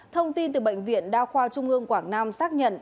thông tin từ bệnh viện đa khoa trung ương quảng nam xác nhận